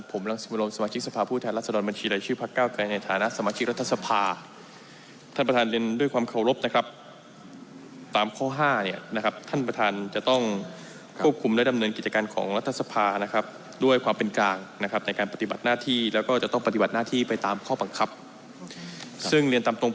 ผมรังสมรมสมาชิกสภาพผู้แทนรัฐสะดอนบัญชีหลายชื่อภักดิ์เก่าเกิดในฐานะสมาชิกรัฐสภาท่านประธานเรียนด้วยความเคารพนะครับตามข้อ๕นะครับท่านประธานจะต้องควบคุมด้วยดำเนินกิจการของรัฐสภานะครับด้วยความเป็นกลางนะครับในการปฏิบัติหน้าที่แล้วก็จะต้องปฏิบัติหน้าที่ไปตามข้อปัง